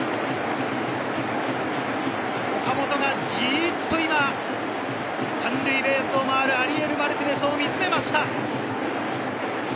岡本がジっと今、３塁ベースを回るアリエル・マルティネスを見つめました。